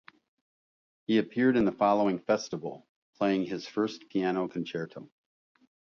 He appeared in the following festival, playing his first Piano Concerto.